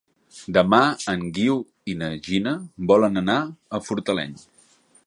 Demà en Guiu i na Gina volen anar a Fortaleny.